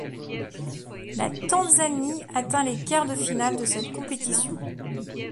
La Tanzanie atteint les quarts de finale de cette compétition.